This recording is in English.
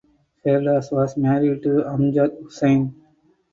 Ferdous was married to Amjad Hossain.